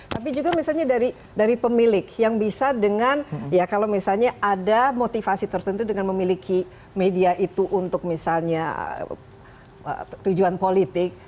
tapi juga misalnya dari pemilik yang bisa dengan ya kalau misalnya ada motivasi tertentu dengan memiliki media itu untuk misalnya tujuan politik